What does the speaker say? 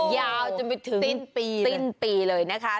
ยาวจนไปถึงสิ้นปีเลยนะคะ